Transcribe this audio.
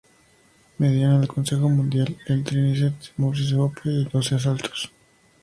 Mediano del Consejo Mundial, el Trinitense Maurice Hope en doce asaltos.